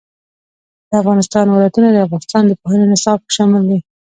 د افغانستان ولايتونه د افغانستان د پوهنې نصاب کې شامل دي.